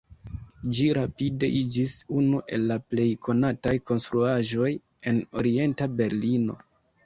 Ĝi rapide iĝis unu el la plej konataj konstruaĵoj en Orienta Berlino.